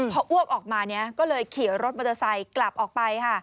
พออ้วกออกมาก็เลยขี่รถมอเตอร์ไซค์กลับออกไปค่ะ